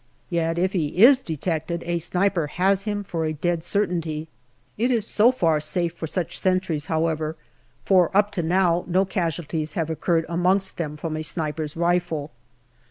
Yet if he is detected a sniper has him for a dead certainty. It is so far safe for such sentries, however, 252 GALLIPOLI DIARY for up to now no casualties have occurred amongst them from a sniper's rifle.